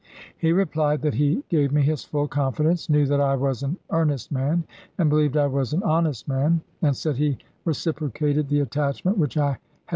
.. He replied that he gave me his full confidence, knew that I was an earn est man, and believed I was an honest man, and BLAIK'S MEXICAN PEOJECT 97 said he reciprocated the attachment which I had chap.